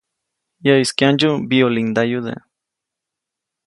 Yäʼis kyandsyu mbiyoliŋdayude.